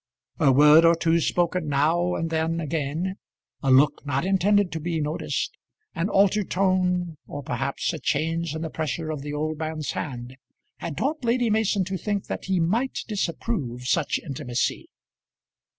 A word or two spoken now and then again, a look not intended to be noticed, an altered tone, or perhaps a change in the pressure of the old man's hand, had taught Lady Mason to think that he might disapprove such intimacy.